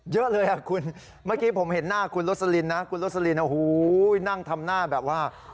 เมื่อกี้ผมเห็นหน้าคุณโรสลินนะคุณโรสลินนั่งทำหน้าแบบว่า